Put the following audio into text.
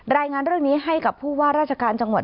รายงานเรื่องนี้ให้กับผู้ว่าราชการจังหวัด